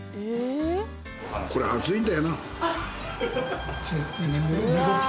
これ熱いんだよな。